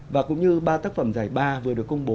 và cũng như ba tác phẩm giải ba vừa được công bố